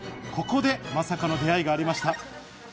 ここでまさかの出会いがありました。